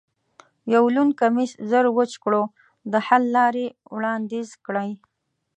یو لوند کمیس زر وچ کړو، د حل لارې وړاندیز کړئ.